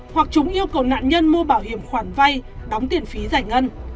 hoặc chúng yêu cầu nạn nhân mua bảo hiểm khoản vay đóng tiền phí giải ngân